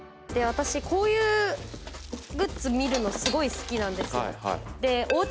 私こういうグッズ見るのすごい好きなんです。